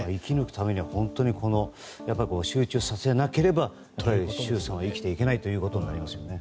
生き抜くためには集中させなければ習さんは生きていけないとなりますね。